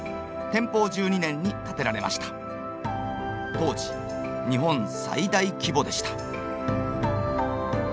当時日本最大規模でした。